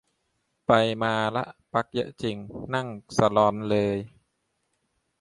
ไปมาละ ปลั๊กเยอะจริง นั่งสลอนเลย